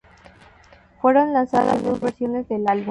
Fueron lanzadas dos versiones del álbum.